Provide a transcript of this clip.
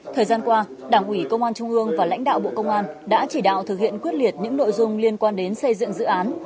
thời gian qua đảng ủy công an trung ương và lãnh đạo bộ công an đã chỉ đạo thực hiện quyết liệt những nội dung liên quan đến xây dựng dự án